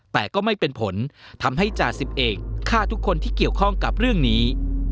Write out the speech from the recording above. แต่ก็ไม่เป็นผลทำให้จ่าสิบเอกฆ่าทุกคนที่เกี่ยวข้องกับเรื่องนี้